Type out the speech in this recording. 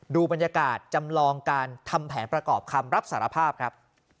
ดูบรรยากาศจำลองการทำแผนประกอบคำรับสารภาพครับ